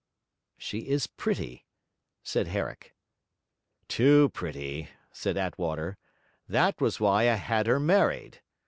'She is pretty,' said Herrick. 'Too pretty,' said Attwater. 'That was why I had her married.